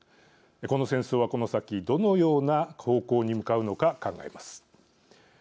この戦争は、この先どのような方向に向かうのか考えます。